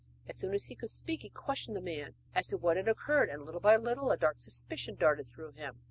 As soon as he could speak he questioned the man as to what had occurred, and little by little a dark suspicion darted through him.